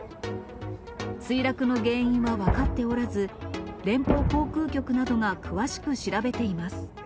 墜落の原因は分かっておらず、連邦航空局などが詳しく調べています。